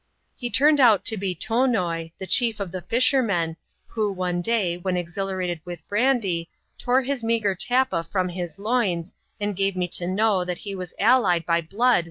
He turned out to be Tonoi, the chief of the fishermen, who, one day, when exhilarated with brandy, tore his meagre tappa from his loins, and gave me to know that he was allied by blood